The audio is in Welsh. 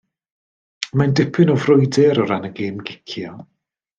Mae'n dipyn o frwydr o ran y gêm gicio.